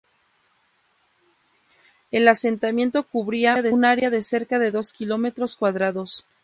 El asentamiento cubría un área de cerca de dos kilómetros cuadrados.